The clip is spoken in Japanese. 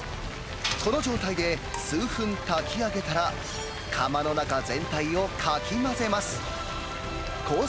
この状態で数分炊き上げたら、釜の中全体をかき混ぜます。